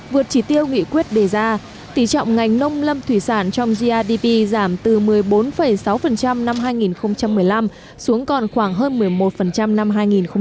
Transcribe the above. vượt chỉ tiêu nghị quyết đề ra tỉ trọng ngành nông lâm thủy sản trong grdp giảm từ một mươi bốn sáu năm hai nghìn một mươi năm xuống còn khoảng hơn một mươi một năm hai nghìn một mươi bảy